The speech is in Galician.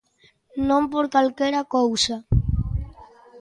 Non por calquera cousa.